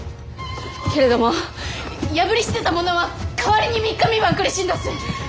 けれども破り捨てた者は代わりに三日三晩苦しんだ末。